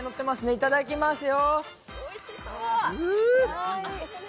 いただきますよ。